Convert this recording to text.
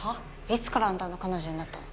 いつからあんたの彼女になったの？